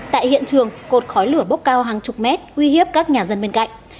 tại hiện trường cột khói lửa bốc cao hàng chục mét uy hiếp các nhà dân bên cạnh